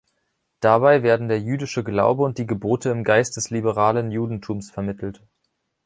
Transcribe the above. Dabei werden der jüdische Glaube und die Gebote im Geist des liberalen Judentums vermittelt.